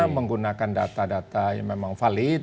menggunakan data data yang memang valid